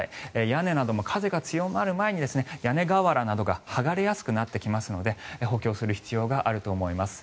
屋根なども風が強まる前に屋根瓦などが剥がれやすくなってきますので補強する必要があると思います。